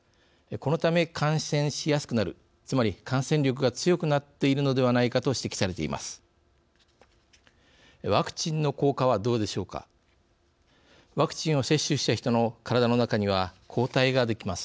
このため、感染しやすくなるつまり感染力が強くなっているのではないかと指摘されています。